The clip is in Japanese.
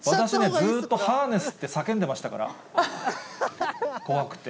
私ね、ずっとハーネスって叫んでましたから、怖くて。